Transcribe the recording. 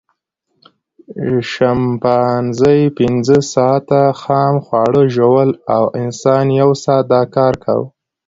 شامپانزي پینځه ساعته خام خواړه ژوول او انسان یو ساعت دا کار کاوه.